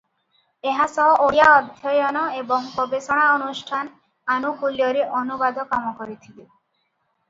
ଏହା ସହ ଓଡ଼ିଆ ଅଧ୍ୟୟନ ଏବଂ ଗବେଷଣା ଅନୁଷ୍ଠାନ ଆନୁକୁଲ୍ୟରେ ଅନୁବାଦ କାମ କରିଥିଲେ ।